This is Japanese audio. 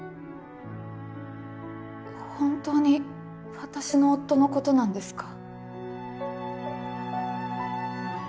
本当に私の夫のことなんですか？